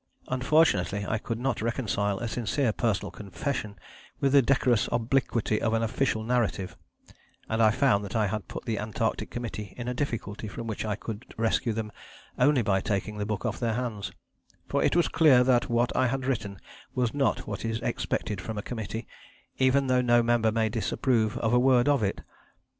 Unfortunately I could not reconcile a sincere personal confession with the decorous obliquity of an Official Narrative; and I found that I had put the Antarctic Committee in a difficulty from which I could rescue them only by taking the book off their hands; for it was clear that what I had written was not what is expected from a Committee, even though no member may disapprove of a word of it.